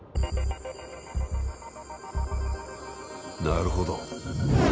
なるほど。